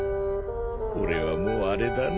俺はもうあれだな。